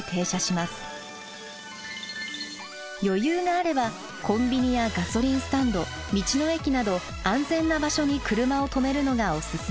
余裕があればコンビニやガソリンスタンド道の駅など安全な場所に車を止めるのがおすすめ。